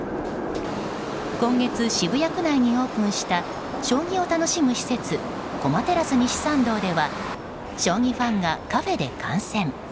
今月、渋谷区内にオープンした将棋を楽しむ施設駒テラス西参道では将棋ファンがカフェで観戦。